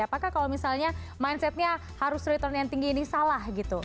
apakah kalau misalnya mindsetnya harus return yang tinggi ini salah gitu